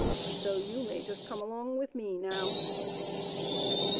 So you may just come along with me now."